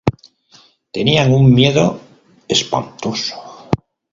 Tenían un miedo espantoso.